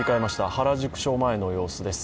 原宿署前の様子です。